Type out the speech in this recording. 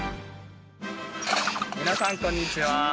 皆さんこんにちは